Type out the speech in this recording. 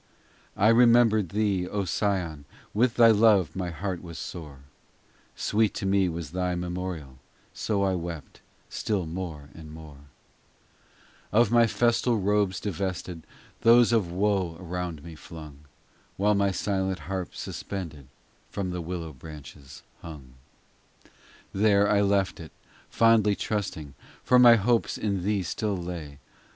ii I remembered thee, O Sion, With thy love my heart was sore ; Sweet to me was thy memorial, So I wept still more and more, * Composed while in prison at Toledo, 1578. 19 2C)O POEMS in Of my festal robes divested, Those of woe around me flung, While my silent harp suspended From the willow branches hung. IV There I left it ; fondly trusting, For my hopes in thee still lay.